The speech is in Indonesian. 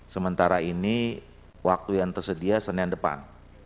sementara ini waktu yang tersedia senin depan